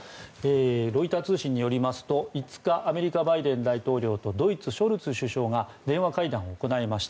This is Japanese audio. ロイター通信によりますと５日、アメリカバイデン大統領とドイツ、ショルツ首相が電話会談を行いました。